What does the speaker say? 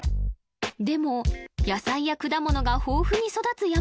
でも野菜や果物が豊富に育つ